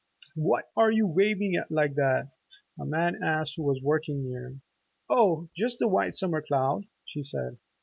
"What are you waving at like that?" a man asked who was working near. "Oh, just a white summer cloud," she said.